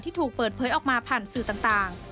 ถูกเปิดเผยออกมาผ่านสื่อต่าง